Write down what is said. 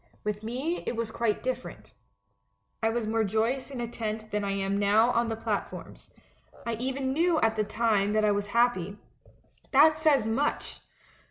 With me it was quite different. I was more joy ous in a tent than I am now on the platforms. I even knew at the time that I was happy. That says much